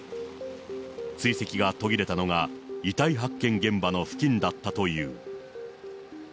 追跡が途切れたのが、遺体発見現場の付近だったという。